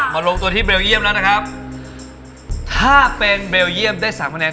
ลงตัวที่เบลเยี่ยมแล้วนะครับถ้าเป็นเบลเยี่ยมได้สามคะแนน